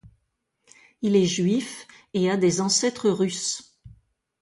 Il est juif et a des ancêtres russes.